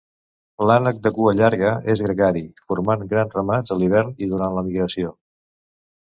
L'ànec de cua llarga és gregari, formant grans ramats a l'hivern i durant la migració.